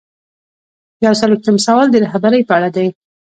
یو څلویښتم سوال د رهبرۍ په اړه دی.